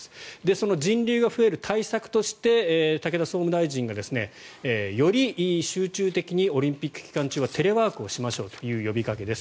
その人流が増える対策として武田総務大臣がより集中的にオリンピック期間中はテレワークをしましょうという呼びかけです。